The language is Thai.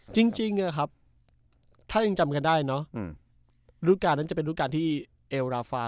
จริงอะครับถ้ายังจำกันได้เนอะรูปการณนั้นจะเป็นรูปการณ์ที่เอลราฟา